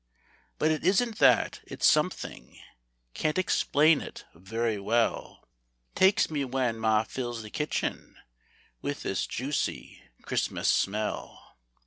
But it isn't that, it's something Can't explain it very well Takes me when ma fills the kitchen With this juicy Christmas smell.